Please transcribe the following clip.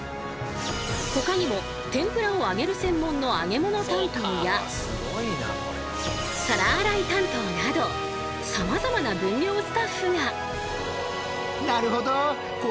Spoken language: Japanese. ほかにも天ぷらを揚げる専門の揚げ物担当や皿洗い担当などさまざまな分業スタッフが。